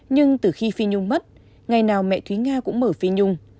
nhưng từ khi phi nhung mất ngày nào mẹ thúy nga cũng mở phi nhung